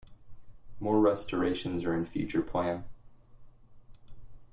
More restorations are in future plan.